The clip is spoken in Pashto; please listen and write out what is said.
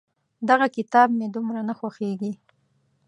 دغه کتاب مې دومره نه خوښېږي.